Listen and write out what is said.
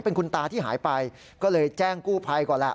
เป็นคุณตาที่หายไปก็เลยแจ้งกู้ภัยก่อนแหละ